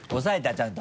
ちゃんと。